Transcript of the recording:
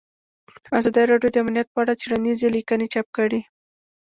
ازادي راډیو د امنیت په اړه څېړنیزې لیکنې چاپ کړي.